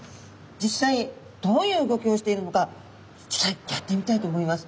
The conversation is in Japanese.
実際どういう動きをしているのか実際やってみたいと思います。